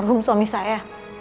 saya sudah maruh suami saya